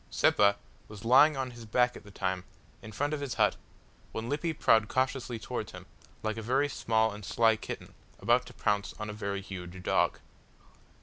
Zeppa was lying on his back at the time, in front of his hut, when Lippy prowled cautiously towards him, like a very small and sly kitten about to pounce on a very huge dog.